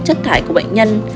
chất thải của bệnh nhân